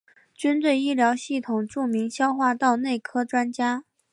军队医疗系统著名消化道内科专家。